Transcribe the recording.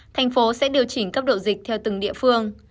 thành phố sẽ điều chỉnh cấp độ dịch theo từng địa phương